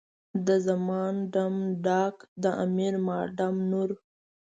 د زمان ډم، ډاګ، د امیر ما ډم نور.